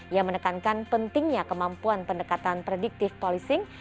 yang menekankan pentingnya kemampuan pendekatan predictive policing